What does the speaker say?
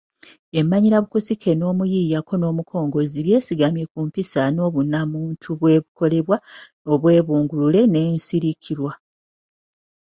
Emmanyirabukusike n’omuyiiya ko n’omukongozzi: byesigamye ku mpisa, n’obunnamuntu bwe ebikolebwa obwebungulule n’ensikirwa